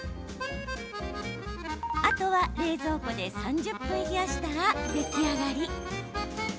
あとは冷蔵庫で３０分冷やしたら出来上がり。